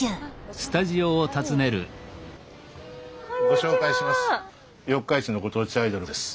ご紹介します。